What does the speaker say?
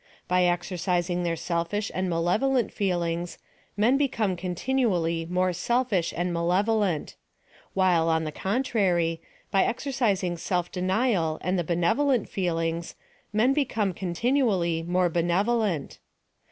By exercising their selfish and malevolent feehngs, men become continually more selfish and malevo lent — while, on the contrary, by exercising self de nial and the benevolent feelings, men become con tinually more benevolent.